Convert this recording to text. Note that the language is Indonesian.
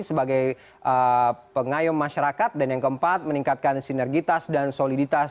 sebagai pengayom masyarakat dan yang keempat meningkatkan sinergitas dan soliditas